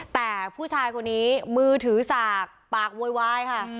แต่ผู้ชายคนนี้มือถือสากปากโวยวายค่ะ